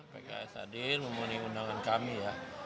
pks hadir memenuhi undangan kami ya